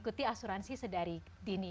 sebagai asuransi sedari dini